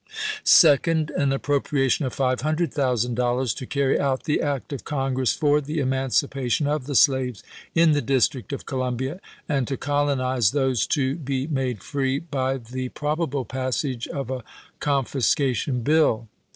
Second, an appropriation of $500,000 " to carry out the Act of Congress for the emancipation of the slaves in the District of Columbia, and to colonize those to approved be made free by the probable passage of a confis m2. ' cation bill."